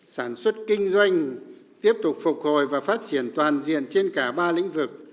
sản xuất kinh doanh tiếp tục phục hồi và phát triển toàn diện trên cả ba lĩnh vực